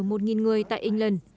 ở một người tại england